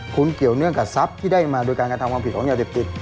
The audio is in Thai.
คุณเกี่ยวเนื่องกับทรัพย์ที่ได้มาโดยการกระทำความผิดของยาเสพติด